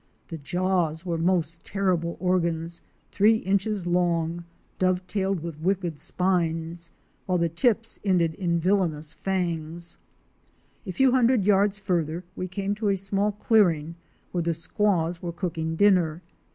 The jaws were most terrible organs, three inches Fic. 85. Warp ScORPION OR PEDIPALP SPIDER. long, dove tailed with wicked spines, while the tips ended in villainous fangs. A few hundred yards farther we came to a small clearing where the squaws were cooking dinner.